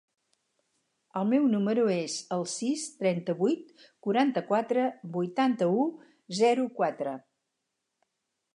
El meu número es el sis, trenta-vuit, quaranta-quatre, vuitanta-u, zero, quatre.